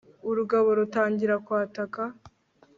urugabo rutangira kwataka